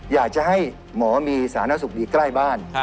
อยากจะให้หมอมีสาธารณสุขดีใกล้บ้าน